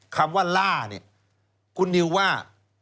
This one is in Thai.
คำว่าล่าเนี่ยคุณนิวว่า